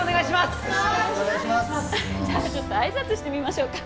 じゃあちょっとあいさつしてみましょうか。